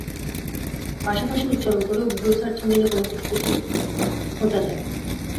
পাশাপাশি উচ্চারণ করেও গুগল সার্চ ইঞ্জিনে কোনো কিছু কিছু খোঁজা যায়।